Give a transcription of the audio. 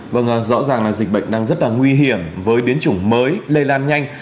vâng rõ ràng là dịch bệnh đang rất là nguy hiểm với biến chủng mới lây lan nhanh